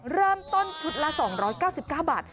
เริ่มต้นชุดละ๒๙๙บาท